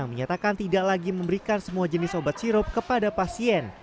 menyatakan tidak lagi memberikan semua jenis obat sirup kepada pasien